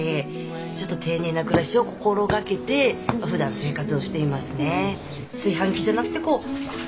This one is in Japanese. ちょっと丁寧な暮らしを心掛けてふだん生活をしていますね。